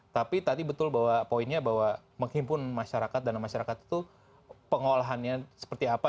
tapi tadi betul bahwa poinnya bahwa menghimpun masyarakat dana masyarakat itu pengolahannya seperti apa